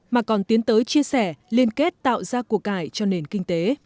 mà còn tiến tới chia sẻ liên kết tạo ra cuộc cải cho nền kinh tế